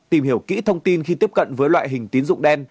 tìm hiểu kỹ thông tin khi tiếp cận với loại hình tín dụng đen